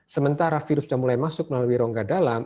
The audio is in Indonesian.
sementara virus yang mulai masuk melalui rongga dalam